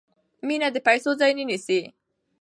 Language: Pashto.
مینه د پیسو ځای نه نیسي.